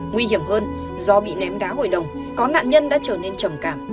nguy hiểm hơn do bị ném đá hội đồng có nạn nhân đã trở nên trầm cảm